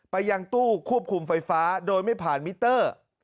ยังตู้ควบคุมไฟฟ้าโดยไม่ผ่านมิเตอร์